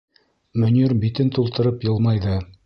Мөнир битен тултырып йылмайҙы.